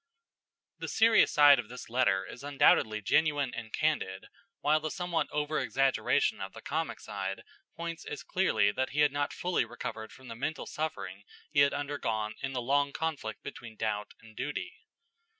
The serious side of this letter is undoubtedly genuine and candid, while the somewhat over exaggeration of the comic side points as clearly that he had not fully recovered from the mental suffering he had undergone in the long conflict between doubt and duty.